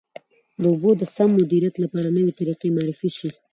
د اوبو د سم مدیریت لپاره نوې طریقې معرفي شي.